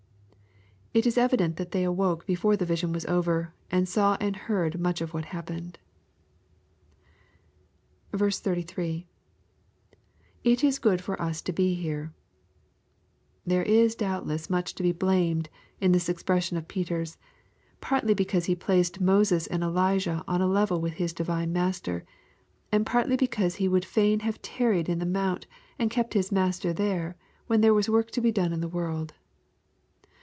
^ It is evident that they awoke before the vision was over, and saw and heard much or what happened. W. — [It ia good for tu to he There,] There is doubtless much to be blamed in tliis expression of Peter's j — ^partly because he placed Moses and Elijah on a level vrith his divine Master, and partly because he would fain have tarried in the mount^ and kept His Master there when there was work to be done in the world.